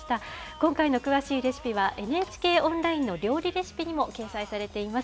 今回の詳しいレシピはＮＨＫオンラインの料理レシピにも掲載されています。